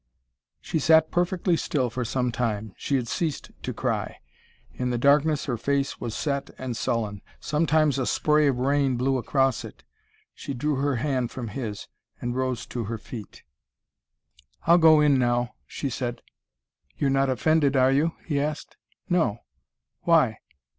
She sat perfectly still for some time. She had ceased to cry. In the darkness her face was set and sullen. Sometimes a spray of rain blew across it. She drew her hand from his, and rose to her feet. "Ill go in now," she said. "You're not offended, are you?" he asked. "No. Why?"